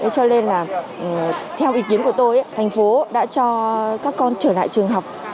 cho nên là theo ý kiến của tôi thành phố đã cho các con trở lại trường học